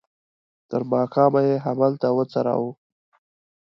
تر ماښامه یې همالته وڅروه.